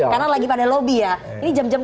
karena lagi pada lobby ya ini jam jam